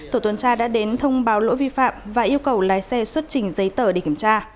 tổ tuần tra đã đến thông báo lỗi vi phạm và yêu cầu lái xe xuất trình giấy tờ để kiểm tra